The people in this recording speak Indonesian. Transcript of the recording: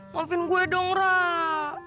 maafin gue dong rak